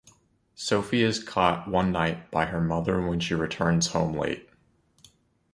Sophie is caught one night by her mother when she returns home late.